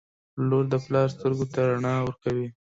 • لور د پلار سترګو ته رڼا ورکوي.